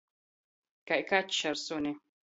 Kai kačs ar suni.